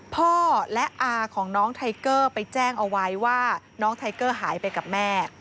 พ่อและอาของน้องไทเกอร์ไปแจ้งเอาไว้ว่าน้องไทเกอร์หายไปกับแม่